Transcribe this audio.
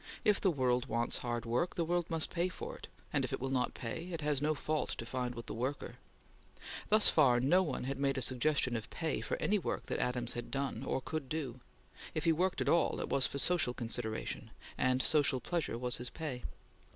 If the world wants hard work, the world must pay for it; and, if it will not pay, it has no fault to find with the worker. Thus far, no one had made a suggestion of pay for any work that Adams had done or could do; if he worked at all, it was for social consideration, and social pleasure was his pay.